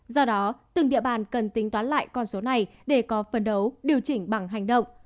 do đó từng địa bàn cần tính toán lại con số này để có phần đấu điều chỉnh bằng hành động